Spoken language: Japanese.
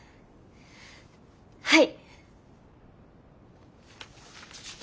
はい。